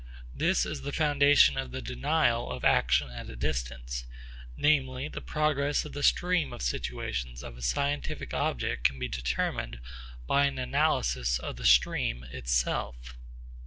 This is the foundation of the denial of action at a distance; namely the progress of the stream of the situations of a scientific object can be determined by an analysis of the stream itself.